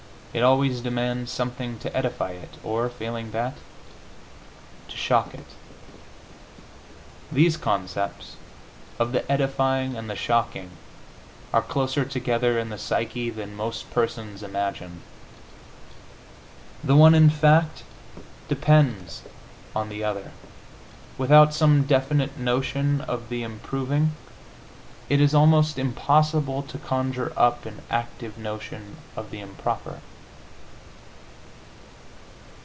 It always demands something to edify it, or, failing that, to shock it. These concepts, of the edifying and the shocking, are closer together in the psyche than most persons imagine. The one, in fact, depends upon the other: without some definite notion of the improving it is almost impossible to conjure up an active notion of the improper.